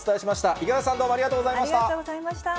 五十嵐さん、どうもありがとうございまありがとうございました。